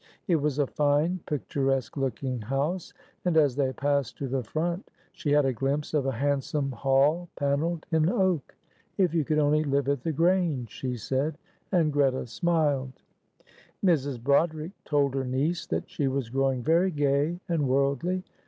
It was a fine, picturesque looking house, and as they passed to the front, she had a glimpse of a handsome hall panelled in oak. "If you could only live at the Grange," she said, and Greta smiled. Mrs. Broderick told her niece that she was growing very gay and worldly.